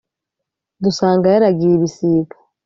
Dusanga yaragiye ibisiga